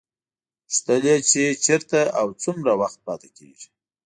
پوښتل یې چې چېرته او څومره وخت پاتې کېږي.